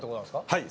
はい。